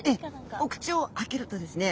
ええお口を開けるとですね